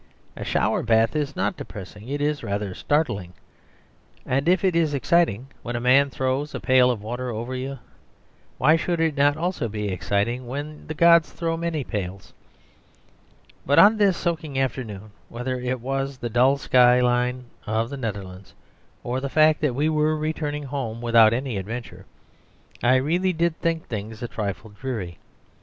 A shower bath is not depressing; it is rather startling. And if it is exciting when a man throws a pail of water over you, why should it not also be exciting when the gods throw many pails? But on this soaking afternoon, whether it was the dull sky line of the Netherlands or the fact that we were returning home without any adventure, I really did think things a trifle dreary.